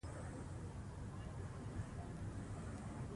مالي خپلواکي د هر چا هیله ده.